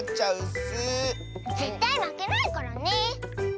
ぜったいまけないからね！